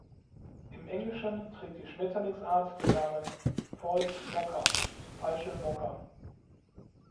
Im Englischen trägt die Schmetterlingsart den Namen "False Mocha" („falsche Mokka“).